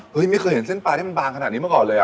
เฮ้ยมีเคยเห็นเส้นปลาที่มันบางขนาดนี้เมื่อก่อนเลยอ่ะ